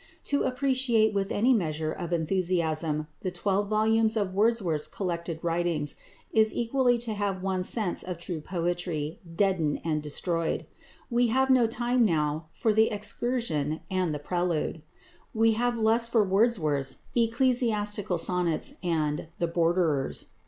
To appreciate with any measure of enthusiasm the twelve volumes of Wordsworth's collected writings is equally to have one's sense of true poetry deadened and destroyed. We have no time now for "The Excursion" and "The Prelude." We have less for Wordsworth's "Ecclesiastical Sonnets" and "The Borderers."